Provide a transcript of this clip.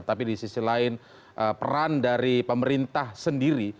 tapi di sisi lain peran dari pemerintah sendiri